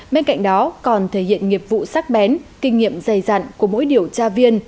bên cạnh đó còn thể hiện nghiệp vụ sắc bén kinh nghiệm dày dặn của mỗi điều tra viên